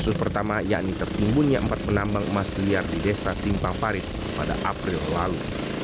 kasus pertama yakni tertimbunnya empat penambang emas liar di desa simpang parit pada april lalu